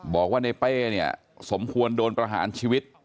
บอกว่าในเป้เนี่ยสมควรโดนประหารชีวิต